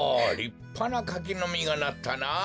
りっぱなかきのみがなったな。